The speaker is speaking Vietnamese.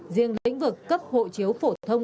riêng lĩnh vực cấp hộ chiếu phổ thông